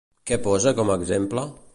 Què posa com a exemple?